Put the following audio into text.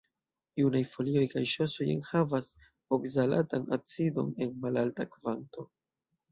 Junaj folioj kaj ŝosoj enhavas okzalatan acidon en malalta kvanto.